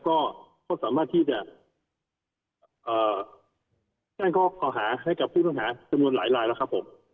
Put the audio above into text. ก็สามารถที่จะแจ้งข้อเก่าหาให้กับผู้ต้องหาจำนวนหลายลายแล้วครับผม